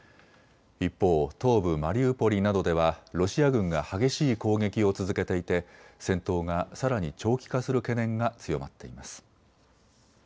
一方、東部マリウポリなどではロシア軍が激しい攻撃を続けていて戦闘がさらに長期化する懸念が強まっています。